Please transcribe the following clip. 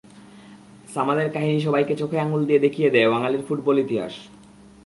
সামাদের কাহিনি সবাইকে চোখে আঙুল দিয়ে দেখিয়ে দেয় বাঙালির ফুটবল ইতিহাস।